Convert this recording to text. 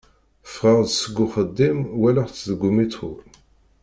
Ffɣeɣ-d seg uxeddim walaɣ-tt deg umitṛu.